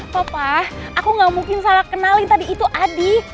papa aku ga mungkin salah kenalin tadi itu adi